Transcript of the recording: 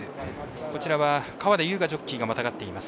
こちらは、川田将雅ジョッキーがまたがっています。